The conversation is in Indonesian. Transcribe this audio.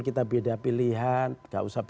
kita beda pilihan nggak usah